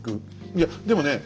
いやでもね